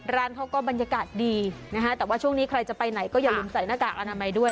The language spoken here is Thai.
ร้านเขาก็บรรยากาศดีนะฮะแต่ว่าช่วงนี้ใครจะไปไหนก็อย่าลืมใส่หน้ากากอนามัยด้วย